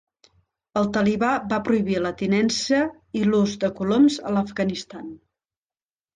El talibà va prohibir la tinença i l'ús de coloms a l'Afganistan.